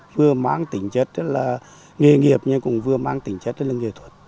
vừa mang tính chất rất là nghề nghiệp nhưng cũng vừa mang tính chất rất là nghệ thuật